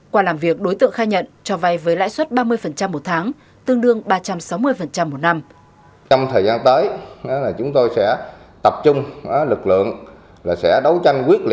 qua làm việc đối tượng khai nhận cho vay với lãi suất ba mươi một tháng tương đương ba trăm sáu mươi một năm